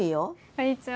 こんにちは。